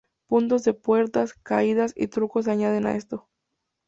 Puntos de puertas, caídas y trucos se añaden a esto.